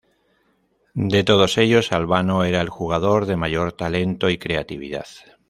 De todos ellos, Albano era el jugador de mayor talento y creatividad.